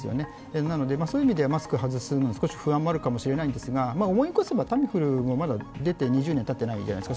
なので、マスク外すのは少し不安があるかもしれないんですが、思い起こせばタミフルもまだ出て２０年たってないじゃないですか。